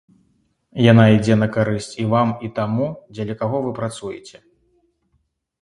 Яна ідзе на карысць і вам і таму, дзеля каго вы працуеце.